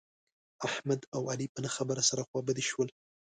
احمد او علي په نه خبره سره خوابدي شول.